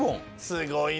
すごいね。